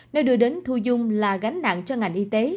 nơi đưa đến thu dung là gánh nặng cho ngành y tế